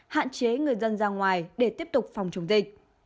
hạn chế người dân ra ngoài để tiếp tục phòng chống dịch